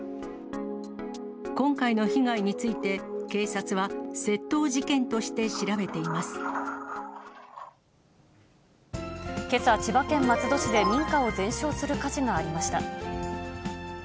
今回の被害について、警察はけさ、千葉県松戸市で民家を全焼する火事がありました。